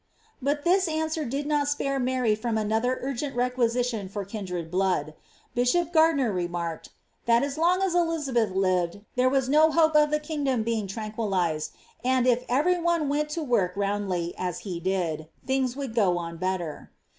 But this answer did not spare Mary from another urgent requi«itjon for kindred blood. Bishop Gardiner remarked, *■ that as long as Eliza beth lived there was no hope of the kingdom being tr&nquillised, and if everg one vent to work roundln, as he did, thmgs would go on better."